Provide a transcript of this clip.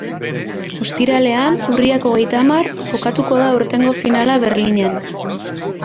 Ostiralean, urriak hogeita hamar, jokatuko da aurtengo finala Berlinen.